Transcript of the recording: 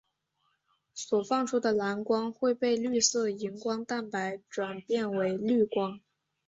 所放出的蓝光会被绿色荧光蛋白转变为绿光。